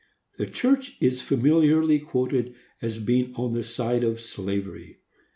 The church is familiarly quoted as being on the side of slavery.